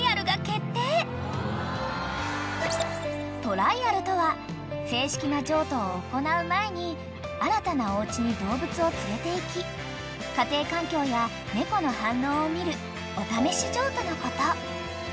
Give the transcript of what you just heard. ［トライアルとは正式な譲渡を行う前に新たなおうちに動物を連れていき家庭環境や猫の反応を見るお試し譲渡のこと］